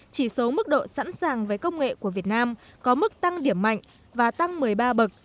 chỉ số mức độ sẵn sàng với công nghệ của việt nam có mức tăng điểm mạnh và tăng một mươi ba bậc